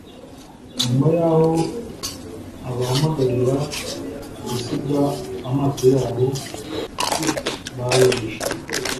Nyuma yaho abahamagarira gusiga amato yabo barobeshaga,